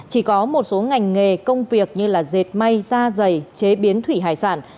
chỉ có một số ngành nghề công việc như dệt may da dày chế biến thủy hải sản